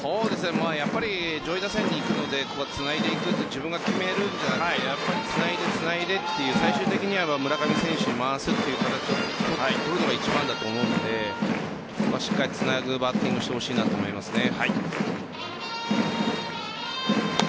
やっぱり上位打線に行くのでつないでいく自分が決めるじゃなくてつないでつないでという最終的には村上選手に回すという形を取るのが一番だと思うのでしっかりつなぐバッティングをしてほしいと思いますね。